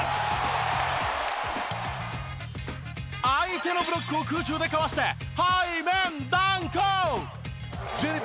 相手のブロックを空中でかわして。